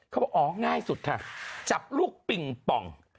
บอกอ๋อง่ายสุดค่ะจับลูกปิงป่อง